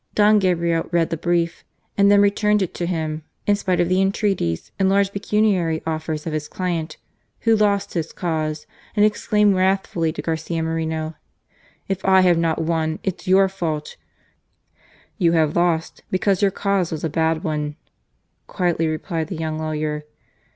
Don Gabriel read the Brief, and then returned it to him^ in spite of the intreaties and large pecuniary offers of his client, who lost his cause, and exclaimed wrathfuUy to Garcia Moreno :" If I have not won, it's your fault !"" You have lost, because your cause was a bad one !" quietly replied the young lawyer.